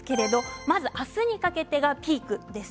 まず明日にかけてがピークです。